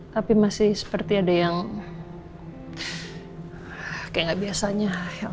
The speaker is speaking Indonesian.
tapi masih seperti ada yang kayak gak biasanya